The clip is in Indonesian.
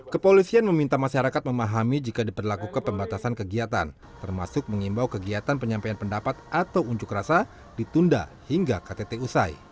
kepolisian meminta masyarakat memahami jika diperlakukan pembatasan kegiatan termasuk mengimbau kegiatan penyampaian pendapat atau unjuk rasa ditunda hingga ktt usai